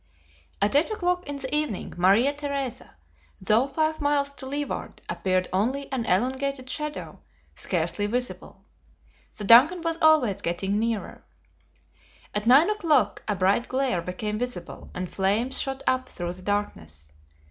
At eight o'clock in the evening, Maria Theresa, though five miles to leeward, appeared only an elongated shadow, scarcely visible. The DUNCAN was always getting nearer. At nine o'clock, a bright glare became visible, and flames shot up through the darkness.